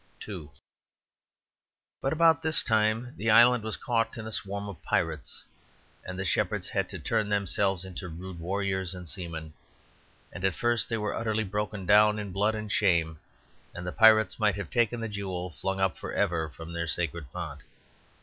II But about this time the island was caught in a swarm of pirates; and the shepherds had to turn themselves into rude warriors and seamen; and at first they were utterly broken down in blood and shame; and the pirates might have taken the jewel flung up for ever from their sacred fount.